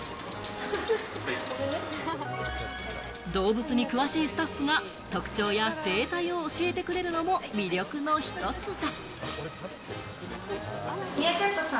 動物に詳しいスタッフが特徴や生態を教えてくれるのも魅力の１つだ。